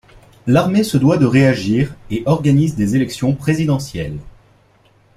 L'armée se doit de réagir et organise des élections présidentielles.